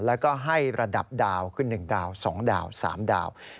แล้วก็ให้ระดับดาวคือ๑ดาว๒ดาว๓ดาว